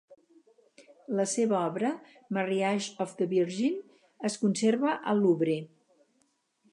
La seva obra "Marriage of the Virgin" es conserva al Louvre.